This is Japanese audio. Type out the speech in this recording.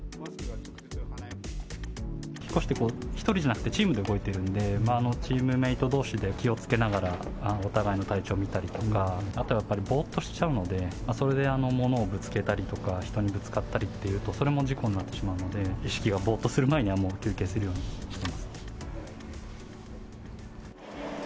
引っ越しって、１人じゃなくて、チームで動いてるんで、チームメートどうしで気をつけながら、お互いの体調見たりとか、あとはやっぱり、ぼーっとしちゃうので、それでものをぶつけたりとか、人にぶつかったりっていうと、それも事故になってしまうので、意識がぼーっとする前には、もう休憩するようにしてます。